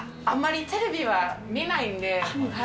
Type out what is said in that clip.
あんまりテレビは見ないんで。